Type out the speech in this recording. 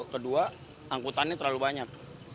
kedua angkutannya terlalu banyak